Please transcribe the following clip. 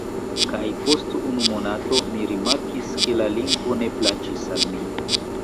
Kaj post unu monato, mi rimarkis, ke la lingvo ne plaĉis al mi.